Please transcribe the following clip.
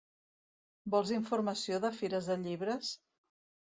Vols informació de fires de llibres?